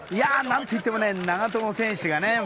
何といっても長友選手がね。